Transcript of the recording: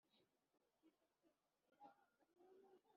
cyo sayuka ushyika ugira ishyaha